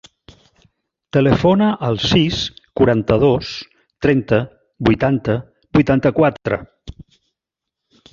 Telefona al sis, quaranta-dos, trenta, vuitanta, vuitanta-quatre.